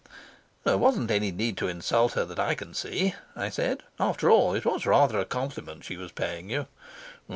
"There wasn't any need to insult her that I can see," I said. "After all, it was rather a compliment she was paying you."